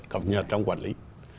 cập nhật trong quản lý